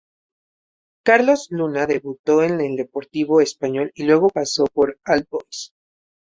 Carlos Luna debutó en el Deportivo Español y luego pasó por All Boys.